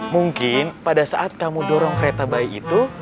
mungkin pada saat kamu dorong kereta bayi itu